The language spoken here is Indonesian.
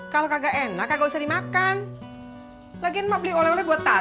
kalau kagak enak gak usah dimakan weird for tatizz